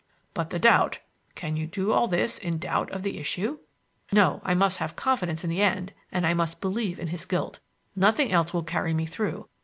"But the doubt. Can you do all this in doubt of the issue?" "No; I must have confidence in the end, and I must believe in his guilt. Nothing else will carry me through.